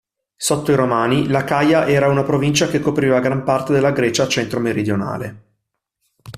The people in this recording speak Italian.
Sotto i Romani, l'Acaia era una provincia che copriva gran parte della Grecia centro-meridionale.